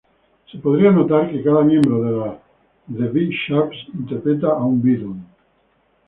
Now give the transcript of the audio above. Se podría notar que cada miembro de "The Be sharps" interpretaba a un beatle.